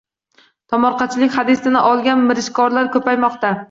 Tomorqachilik hadisini olgan mirishkorlar ko‘paymoqda